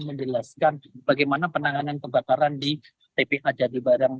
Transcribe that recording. menjelaskan bagaimana penanganan kebakaran di tpa jadi barang